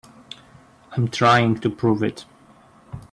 I'm trying to prove it.